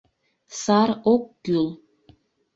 — Сар ок кӱл!